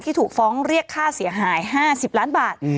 ถูกฟ้องเรียกค่าเสียหาย๕๐ล้านบาท